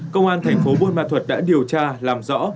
công an thành phố buôn ma thuật đã điều tra làm rõ